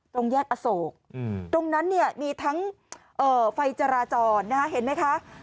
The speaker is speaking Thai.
ตรงแยกอโศกตรงนั้นเนี่ยมีทั้งไฟจราจรนะฮะเห็นไหมคะ